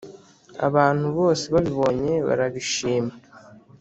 Abantu bose babibonye barabishima